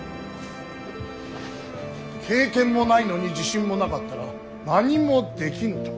経験もないのに自信もなかったら何もできぬと。